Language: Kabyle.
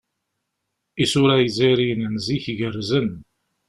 Isura izzayriyen n zik gerrzen.